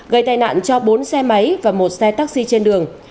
gây tai nạn cho bốn xe máy và một xe taxi trên đường